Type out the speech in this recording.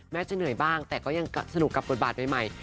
จะเหนื่อยบ้างแต่ก็ยังสนุกกับบทบาทใหม่